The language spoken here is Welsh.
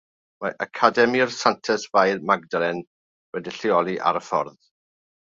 Mae Academi'r Santes Fair Magdalen wedi'i lleoli ar y ffordd.